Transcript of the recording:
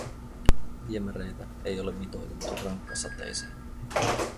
Viemäreitä ei ole mitoitettu rankkasateisiin.